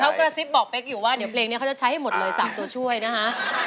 เขากระซิบบอกเป๊กอยู่ว่าเดี๋ยวเพลงนี้เขาจะใช้ให้หมดเลย๓ตัวช่วยนะฮะ